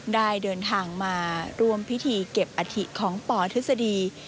ได้เดินทางมาร่วมพิธีเก็บอธิของปทฤษฎี